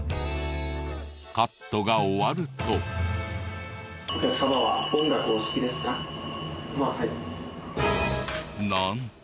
カットが終わると。なんて